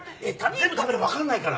全部食べればわかんないから！